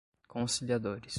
conciliadores